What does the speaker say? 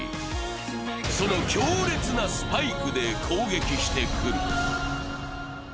その強烈なスパイクで攻撃してくる。